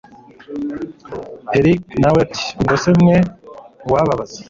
erick nawe ati ubwo se mwe uwababaza